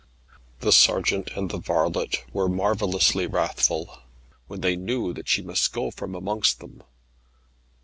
The sergeant and the varlet were marvellously wrathful, when they knew that she must go from amongst them.